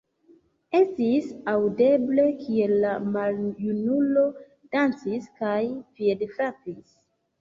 Estis aŭdeble, kiel la maljunulo dancis kaj piedfrapis.